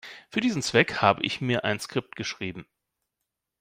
Für diesen Zweck habe ich mir ein Skript geschrieben.